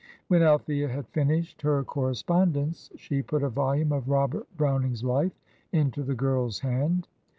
When Althea had finished her correspondence, she put a volume of "Robert Browning's Life" into the girl's hand.